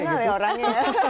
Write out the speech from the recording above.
emas keren lah ya orangnya ya